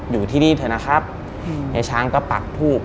อยู่ที่นี่เถอะนะครับเฮียช้างก็ปักทูบ